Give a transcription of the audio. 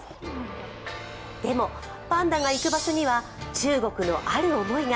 でもパンダが行く場所には中国のある思いが。